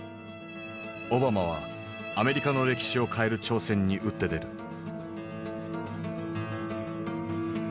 オバマはアメリカの歴史を変える挑戦に打って出る。